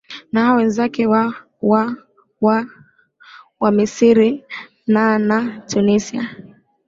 na hawa wenzake wa wa wa wamisri na na tunisia